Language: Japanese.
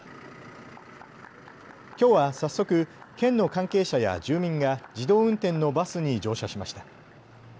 きょうは早速、県の関係者や住民が自動運転のバスに乗車しました。